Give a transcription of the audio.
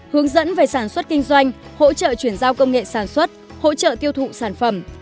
hướng dẫn về sản xuất kinh doanh hỗ trợ chuyển giao công nghệ sản xuất hỗ trợ tiêu thụ sản phẩm